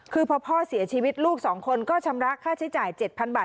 คือพอพ่อเสียชีวิตลูก๒คนก็ชำระค่าใช้จ่าย๗๐๐บาท